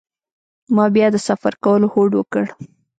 ما بیا د سفر کولو هوډ وکړ.